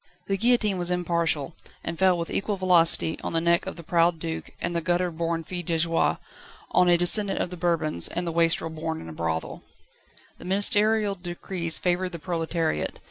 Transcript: The guillotine was impartial, and fell with equal velocity on the neck of the proud duke and the gutter born fille de joie, on a descendant of the Bourbons and the wastrel born in a brothel. The ministerial decrees favoured the proletariat.